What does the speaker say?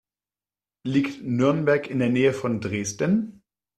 Liegt Nürnberg in der Nähe von Dresden?